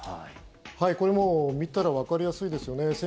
これはもう見たらわかりやすいですよね。